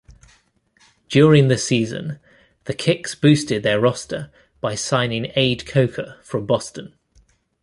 During the season, the Kicks boosted their roster by signing Ade Coker from Boston.